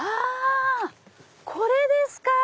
これですか！